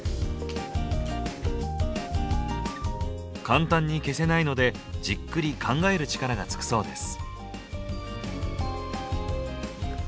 簡単に消せないのでじっくり考える力がつくそうです。